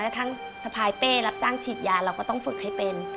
ทั้งสะพายเป้รับจ้างฉีดยาเราก็ต้องฝึกให้เป็น